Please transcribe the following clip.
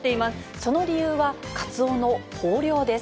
その理由は、カツオの豊漁です。